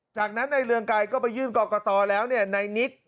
จากนั้นนายเรืองไกลก็ไปยื่นกรกฎแล้วนายนิส